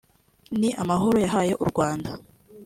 ni amahoro yahaye u Rwanda